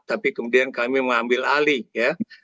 tapi kemudian kami mengambil alih ya